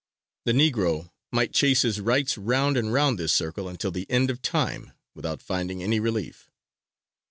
The Negro might chase his rights round and round this circle until the end of time, without finding any relief.